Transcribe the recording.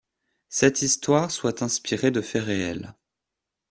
cette histoire soit inspirée de faits réels.